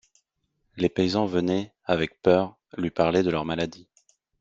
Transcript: Les paysans venaient, avec peur, lui parler de leurs maladies.